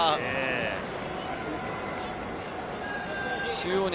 中央に。